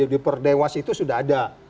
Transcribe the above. di per dewas itu sudah ada